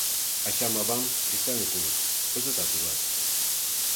Ачам-авам кресаньык улыт, кызытат илат.